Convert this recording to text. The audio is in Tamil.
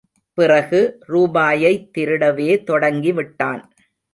பிறகு, ரூபாயைத் திருடவே தொடங்கி விட்டான்.